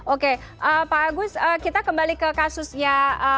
oke pak agus kita kembali ke kasusnya